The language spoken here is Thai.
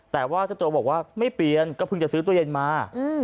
แต่ว่าเจ้าตัวบอกว่าไม่เปลี่ยนก็เพิ่งจะซื้อตู้เย็นมา